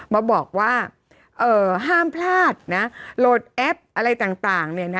มาบอกว่าห้ามพลาดนะโหลดแอปอะไรต่างเนี่ยนะ